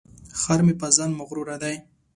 خر مې په ځان مغروره دی.